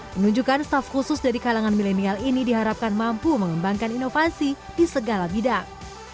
penunjukan staff khusus dari kalangan milenial ini diharapkan mampu mengembangkan inovasi di segala bidang